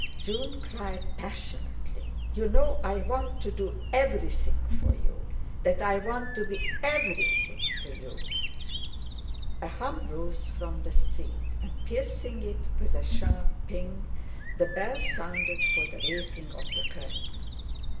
June cried passionately: "You know I want to do everything for you—that I want to be everything to you...." A hum rose from the street, and, piercing it with a sharp "ping," the bell sounded for the raising of the curtain.